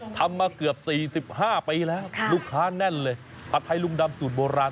ทำมาเกือบ๔๕ปีแล้วลูกค้าแน่นเลยผัดไทยลุงดำสูตรโบราณ